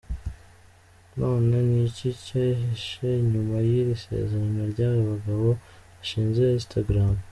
None ni iki cyihishe inyuma y'iri sezera ry'aba bagabo bashinze Instagram?.